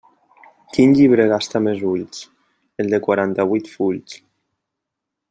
Quin llibre gasta més ulls?: el de quaranta-vuit fulls.